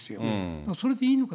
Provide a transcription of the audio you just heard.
だからそれでいいのか。